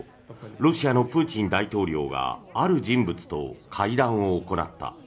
ロシアのプーチン大統領がある人物と会談を行った。